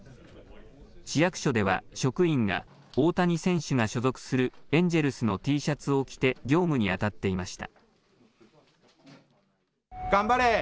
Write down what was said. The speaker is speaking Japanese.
市役所では職員が大谷選手が所属するエンジェルスのＴシャツを着て業務にあたっていました。